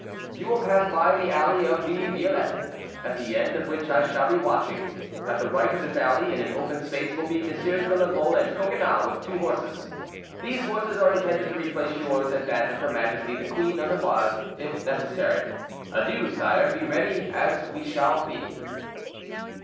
"You will pass by the Alley of the Violettes, at the end of which I shall be watching; at the right of this alley in an open space will be Messieurs de la Mole and Coconnas, with two horses. These horses are intended to replace yours and that of her majesty the Queen of Navarre, if necessary. "Adieu, sire; be ready, as we shall be."